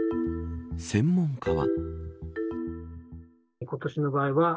専門家は。